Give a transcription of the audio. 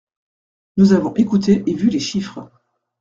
Nous avons écouté et vu les chiffres.